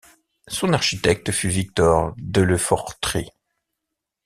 Son architecte fut Victor Delefortrie.